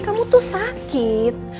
kamu tuh sakit